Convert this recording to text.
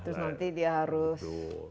terus nanti dia harus